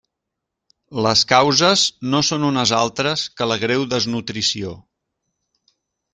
Les causes no són unes altres que la greu desnutrició.